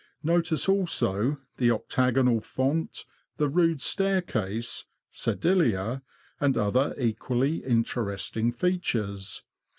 Notice also the octagonal font, the rood staircase, sedilia, and other equally interesting features.